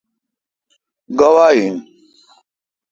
گوا ان۔